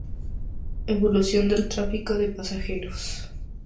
Evolución del tráfico de pasajeros